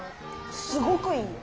すごくいいよ。